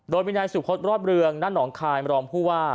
โดยมินัยสุพธรรมเรืองณหนองคายมารอมพูดว่า